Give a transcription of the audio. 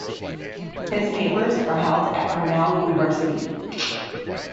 His papers are held at Cornell University.